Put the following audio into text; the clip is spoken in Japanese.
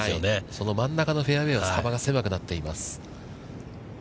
その真ん中のフェアウェイは、幅が狭くなっています。